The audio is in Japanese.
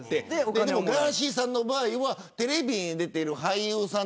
ガーシーさんの場合はテレビに出ている俳優さん